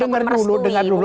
dengar dulu dengar dulu